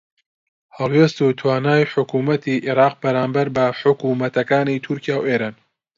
هەڵوێست و توانای حکوومەتی عێراق بەرامبەر بە حکوومەتەکانی تورکیا و ئێران